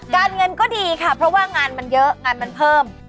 เงินก็ดีค่ะเพราะว่างานมันเยอะงานมันเพิ่ม